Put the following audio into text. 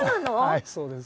はいそうです。